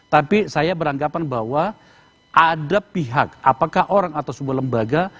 tapi saya beranggapan bahwa ada pihak apakah orang atau sebuah lembaga